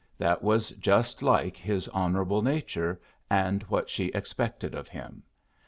That was just like his honorable nature, and what she expected of him.